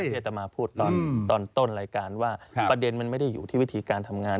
อาตมาพูดตอนต้นรายการว่าประเด็นมันไม่ได้อยู่ที่วิธีการทำงาน